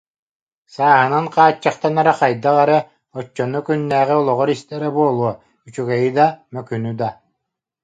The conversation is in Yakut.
Сааһынан хааччахтанара хайдах эрэ, оччону күннээҕи олоҕор истэрэ буолуо, үчүгэйи да, мөкүнү да,